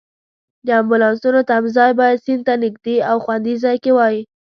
د امبولانسونو تمځای باید سیند ته نږدې او خوندي ځای کې وای.